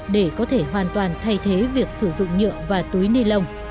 để có thể hoàn toàn thay thế việc sử dụng nhựa và túi ni lông